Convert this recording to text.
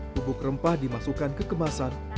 bubuk rempah dimasukkan ke kemasan